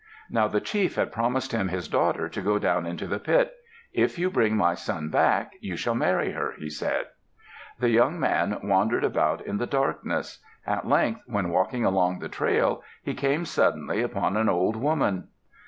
Now the chief had promised him his daughter to go down into the pit. "If you bring my son back, you shall marry her," he had said. The young man wandered about in the darkness. At length when walking along the trail, he came suddenly upon an old woman.